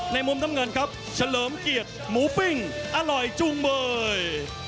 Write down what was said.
มุมน้ำเงินครับเฉลิมเกียรติหมูปิ้งอร่อยจูงเมย